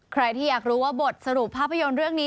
ใครที่อยากรู้ว่าบทสรุปภาพยนตร์เรื่องนี้